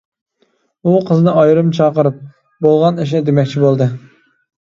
ئۇ قىزنى ئايرىم چاقىرىپ، بولغان ئىشنى دېمەكچى بولدى.